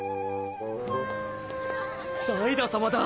ダイダ様だ。